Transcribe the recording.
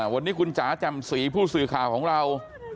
วันนี้คุณจ๋าแจ่มสีผู้สื่อข่าวของเรา